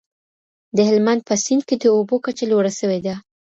د هلمند په سیند کي د اوبو کچه لوړه سوې ده.